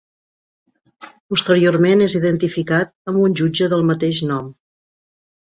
Posteriorment és identificat amb un jutge del mateix nom.